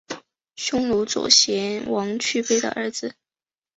匈奴右贤王去卑的儿子。